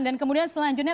dan kemudian selanjutnya